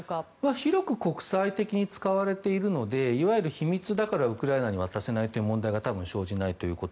広く国際的に使われているのでいわゆる秘密だからウクライナに渡せない問題が多分、生じないということ。